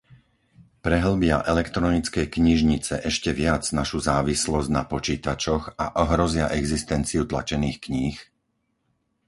Prehĺbia elektronické knižnice ešte viac našu závislosť na počítačoch a ohrozia existenciu tlačených kníh?